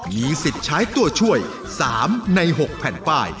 มีสิทธิ์ใช้ตัวช่วย๓ใน๖แผ่นป้าย